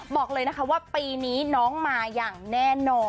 บอกเลยนะคะว่าปีนี้น้องมาอย่างแน่นอน